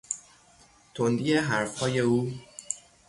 تندی حرفهای او